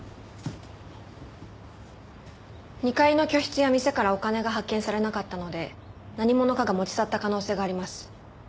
２階の居室や店からお金が発見されなかったので何者かが持ち去った可能性があります。